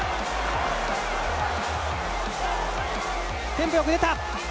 テンポよく出た。